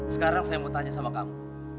sekarang saya mau tanya sama kamu